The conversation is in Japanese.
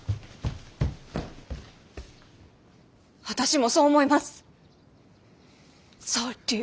私もそう思います。